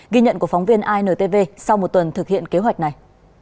ghi nhận của phóng viên intv sau một tuần thực hiện kế hoạch này